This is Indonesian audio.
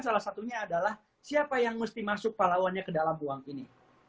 salah satunya adalah siapa yang mesti masuk pahlawannya ke dalam ruang ini